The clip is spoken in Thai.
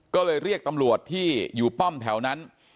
ก็เลยเรียกตำรวจที่อยู่ป้อมแถวนั้น